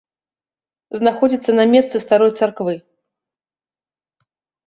Знаходзіцца на месцы старой царквы.